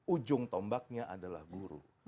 ujung tombaknya adalah guru